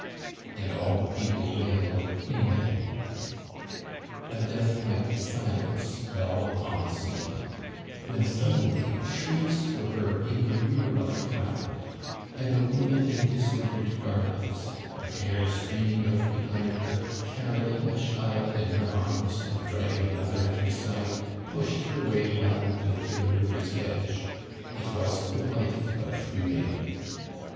And all the people wailed " Amen." A death like silence fell upon the scene, when sud denly shrieks were heard in the rear of the crowd, and a woman in disordered garments, her hair streaming out behind her, carrying a child in her arms and dragging another at her side, pushed her way wildly to the river's edge. It was the wife of Dumais.